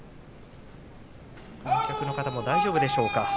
観客の方も大丈夫でしょうか。